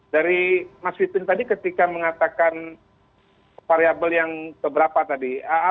dari mas vipin tadi ketika mengatakan variable yang keberapa tadi